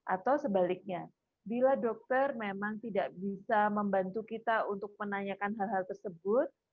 atau sebaliknya bila dokter memang tidak bisa membantu kita untuk menanyakan hal hal tersebut